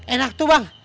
eh enak tuh bang